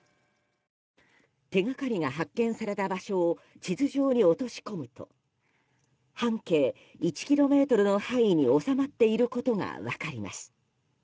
手がかりが発見された場所を地図上に落とし込むと半径１ｋｍの範囲に収まっていることが分かります。